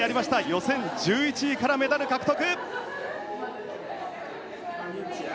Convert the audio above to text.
予選１１位からメダル獲得！